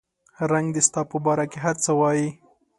رنګ دې ستا په باره کې هر څه وایي